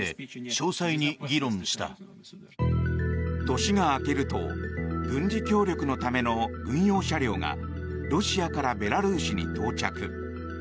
年が明けると軍事協力のための軍用車両がロシアからベラルーシに到着。